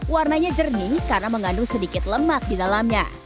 warnanya jernih karena mengandung sedikit lemak di dalamnya